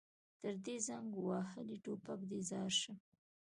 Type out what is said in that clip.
تر دې زنګ وهلي ټوپک دې ځار شم.